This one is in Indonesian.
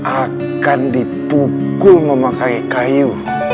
akan dipukul memakai kayu